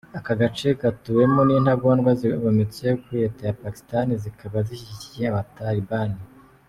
Aka gace gatuwemo nintagondwa zigometse kuri Leta ya Pakistan zikaba zishyigikiye Abatalibani.